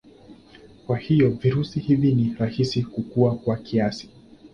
Kwa hivyo virusi hivi ni rahisi kuua kwa kiasi.